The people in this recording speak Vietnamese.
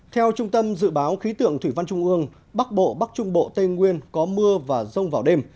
theo trung tâm dự báo khí tượng thủy văn trung ương bắc bộ bắc trung bộ tây nguyên có mưa và rông vào đêm